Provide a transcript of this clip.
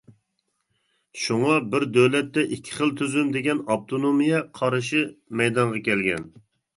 شۇڭا «بىر دۆلەتتە ئىككى خىل تۈزۈم » دېگەن ئاپتونومىيە قارىشى مەيدانغا كەلگەن.